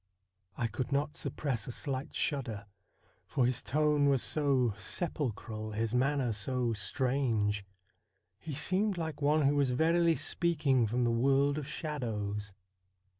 I could not suppress a slight shudder, for his tone was so sepulchral, his manner so strange. He seemed like one who was verily speaking from the world of shadows.